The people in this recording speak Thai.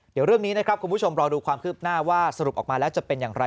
เดี๋ยวเรื่องนี้นะครับคุณผู้ชมรอดูความคืบหน้าว่าสรุปออกมาแล้วจะเป็นอย่างไร